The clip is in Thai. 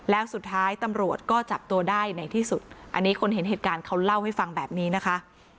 แล้วสุดท้ายตำรวจก็จับตัวได้ในที่สุดอันนี้คนเห็นเหตุการณ์เขาเล่าให้ฟังแบบนี้นะคะ